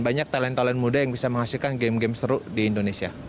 banyak talent talent muda yang bisa menghasilkan game game seru di indonesia